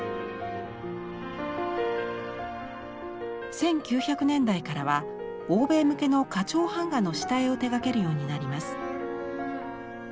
１９００年代からは欧米向けの花鳥版画の下絵を手がけるようになります。